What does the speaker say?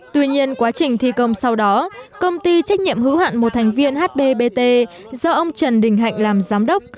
tuy nhiên quá trình thi công sau đó công ty trách nhiệm hữu hạn một thành viên hbbt do ông trần đình hạnh làm giám đốc